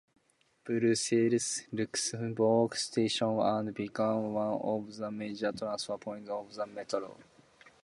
Brussels-Luxembourg Station would become one of the major transfer points of the metro.